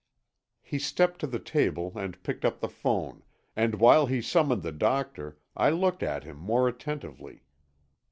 He stepped to the table and picked up the phone and while he summoned the doctor I looked at him more attentively.